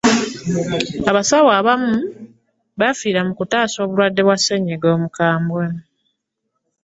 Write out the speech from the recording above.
abasawo abamu baafiira mu kutaasa abalwadde ba ssenyiga omukambwe.